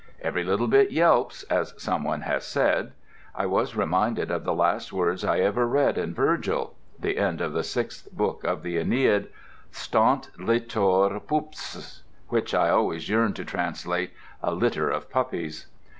"Every little bit yelps" as someone has said. I was reminded of the last words I ever read in Virgil (the end of the sixth book of the Aeneid)—stant litore puppes, which I always yearned to translate "a litter of puppies."